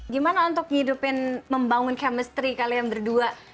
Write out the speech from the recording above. gimana untuk ngidupin membangun chemistry kalian berdua